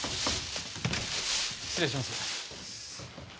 失礼します。